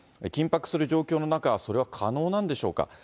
緊迫する状況の中、それは可能なんでしょうか。